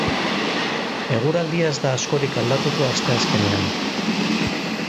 Eguraldia ez da askorik aldatuko asteazkenean.